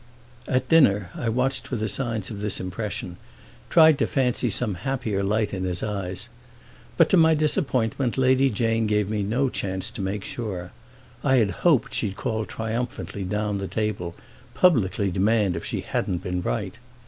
At dinner I watched for the signs of this impression, tried to fancy some happier light in his eyes; but to my disappointment Lady Jane gave me no chance to make sure. I had hoped she'd call triumphantly down the table, publicly demand if she hadn't been right.